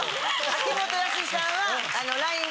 秋元康さんはＬＩＮＥで。